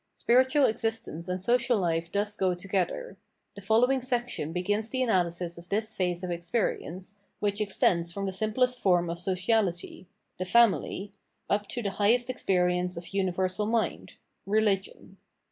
Spiritual existence and social life thus go together. The following section begins the analysis of this phase of experience, which extends from the simplest form of sociality — the Family — up to the highest experience of universal mind — Beligion.